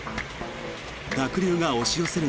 濁流が押し寄せる